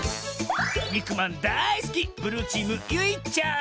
にくまんだいすきブルーチームゆいちゃん。